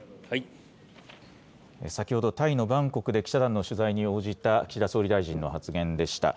先ほどタイのバンコクで記者団の取材に応じた岸田総理大臣の発言でした。